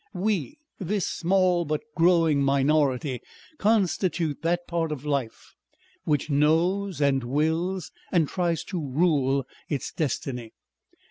We, this small but growing minority constitute that part of life which knows and wills and tries to rule its destiny.